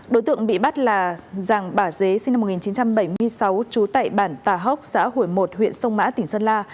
đối tượng bị bắt là giàng bà dế sinh năm một nghìn chín trăm bảy mươi sáu trú tại bản tà hốc xã hủy một huyện sông mã tỉnh sơn la